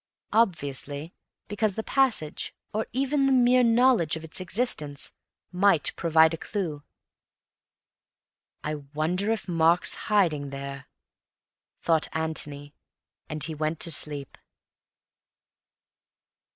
Obviously because the passage, or even the mere knowledge of its existence, might provide a clue. "I wonder if Mark's hiding there," thought Antony; and he went to sleep.